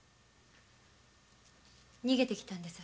逃げて来たんです。